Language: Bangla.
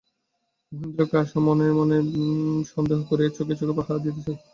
মহেন্দ্রকে আশা মনে মনে সন্দেহ করিয়া চোখে চোখে পাহারা দিতে চায়!